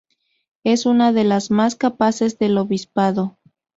Es una de las más capaces del Obispado.